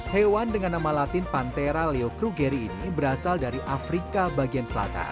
hewan dengan nama latin pantera leocrugeri ini berasal dari afrika bagian selatan